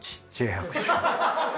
拍手。